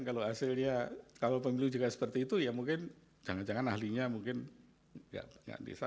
kalau hasilnya kalau pemilu juga seperti itu ya mungkin jangan jangan ahlinya mungkin nggak bisa